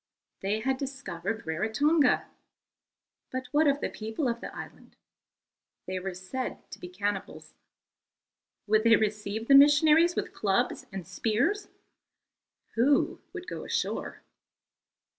They had discovered Rarotonga. But what of the people of the island? They were said to be cannibals. Would they receive the missionaries with clubs and spears? Who would go ashore?